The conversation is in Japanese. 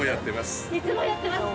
「いつもやってます」